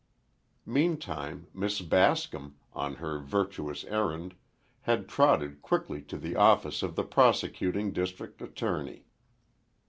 Meantime Miss Bascom, on her virtuous errand had trotted quickly to the office of the Prosecuting District Attorney.